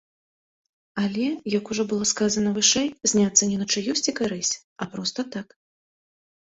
Але, як ужо было сказана вышэй, зняцца не на чыюсьці карысць, а проста так.